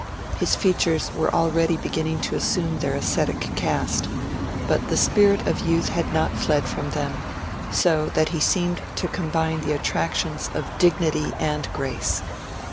His features were already beginning to assume their ascetic cast, but the spirit of youth had not yet fled from them, so that he seemed to combine the attractions of dignity and grace.